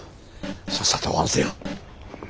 さっさと終わらせよう。